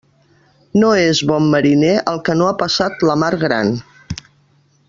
No és bon mariner el que no ha passat la mar gran.